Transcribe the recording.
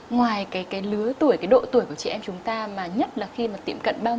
ngoài cái lứa tuổi cái độ tuổi của chị em chúng ta mà nhất là khi mà tiệm cận bao